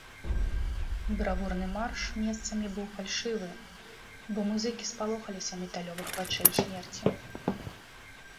Бравурны марш месцамі быў фальшывы, бо музыкі спалохаліся металёвых вачэй смерці.